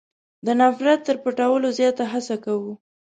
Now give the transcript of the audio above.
د نفرت تر پټولو زیاته هڅه کوو.